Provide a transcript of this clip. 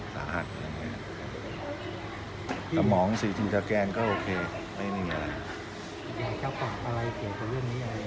สาหัสตะหมองสีถูกทะแกนก็โอเคไม่มีอะไร